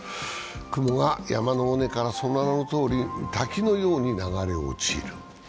雲が山の尾根から、その名のとおり滝のように流れ落ちる。